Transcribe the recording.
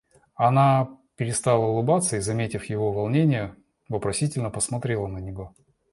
Она перестала улыбаться и, заметив его волнение, вопросительно посмотрела на него.